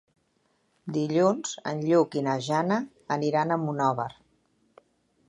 Dilluns en Lluc i na Jana aniran a Monòver.